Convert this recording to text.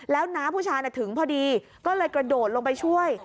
แล้วน้าผู้ชายถึงพอดีก็เลยกระโดดลงไปช่วย